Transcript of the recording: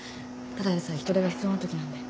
ただでさえ人手が必要なときなんで。